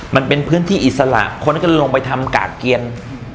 มันเป็นพื้นที่อิสระคนก็จะลงไปทำกาดเกียง